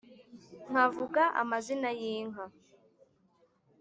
nkavuga amazina y’ inka,